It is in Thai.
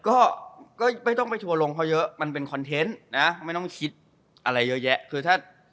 ก็ก็ไม่ต้องไปทัวร์ลงเพราะเยอะมันเป็นคอนเทนต์นะไม่ต้องคิดอะไรเยอะแยะคือถ้า